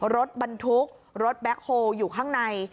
รถบรรทุกรถแบ็คโฮลอยู่ข้างใน